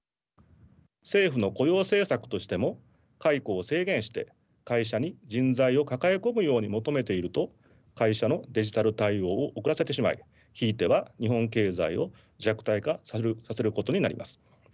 政府の雇用政策としても解雇を制限して会社に人材を抱え込むように求めていると会社のデジタル対応を遅らせてしまいひいては日本経済を弱体化させることになります。